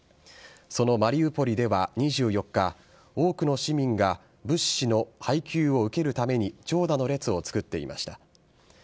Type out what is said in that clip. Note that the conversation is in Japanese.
そのマリウポリでは２４日多くの市民が物資の配給を受けるために長蛇の列を作っていました。